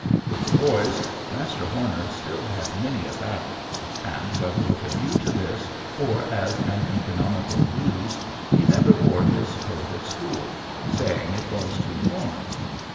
With the boys Master Horner still had many a battle, and whether with a view to this, or as an economical ruse, he never wore his coat in school, saying it was too warm.